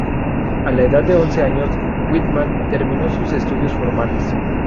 A la edad de once años Whitman terminó sus estudios formales.